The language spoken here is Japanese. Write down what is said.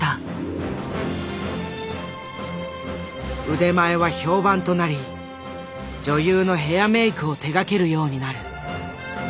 腕前は評判となり女優のヘアメイクを手がけるようになる。